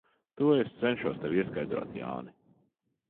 To es cenšos tev ieskaidrot, Jāni.